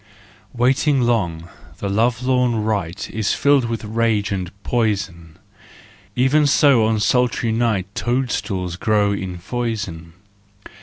Waiting long, the lovelorn wight Is filled with rage and poison: Even so on sultry night Toadstools grow in foison.